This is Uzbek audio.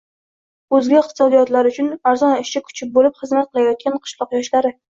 o‘zga iqtisodiyotlar uchun arzon ishchi kuchi bo‘lib xizmat qilayotgan qishloq yoshlari